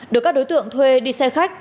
được các đối tượng thuê đi xe khách